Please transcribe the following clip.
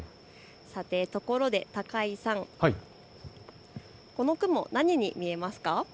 ところで高井さん、この雲、何に見えますか？